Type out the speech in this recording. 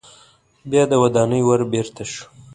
بیا د ودانۍ ور بیرته شو.